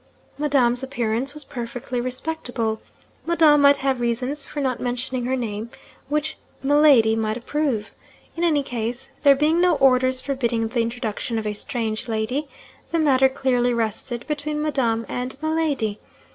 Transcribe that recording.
'Madame's appearance was perfectly respectable. Madame might have reasons for not mentioning her name which Miladi might approve. In any case, there being no orders forbidding the introduction of a strange lady, the matter clearly rested between Madame and Miladi.